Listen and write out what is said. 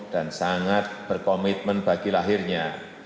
dan sangat berkomitmen bagi lahirnya